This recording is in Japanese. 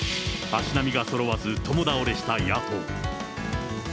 足並みがそろわず共倒れした野党。